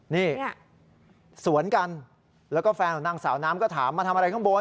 นี่สวนกันแล้วก็แฟนของนางสาวน้ำก็ถามมาทำอะไรข้างบน